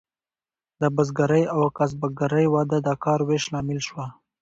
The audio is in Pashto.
د بزګرۍ او کسبګرۍ وده د کار ویش لامل شوه.